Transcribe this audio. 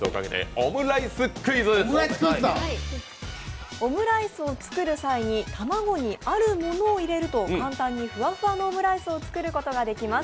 オムライスを作る際に卵にあるものを入れると簡単にふわふわのオムライスを作ることができます。